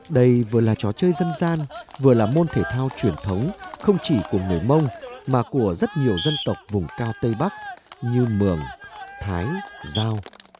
đây vừa là trò chơi dân gian vừa là môn thể thao truyền thống không chỉ của người mông mà của rất nhiều dân tộc vùng cao tây bắc như mường thái giao